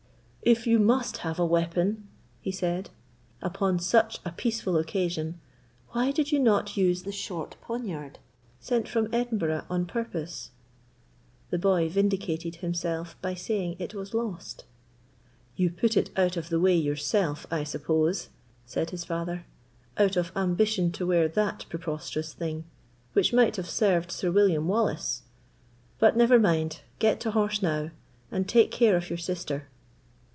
"If you must have a weapon," he said, "upon such a peaceful occasion, why did you not use the short poniard sent from Edinburgh on purpose?" The boy vindicated himself by saying it was lost. "You put it out of the way yourself, I suppose," said his father, "out of ambition to wear that preposterous thing, which might have served Sir William Wallace. But never mind, get to horse now, and take care of your sister."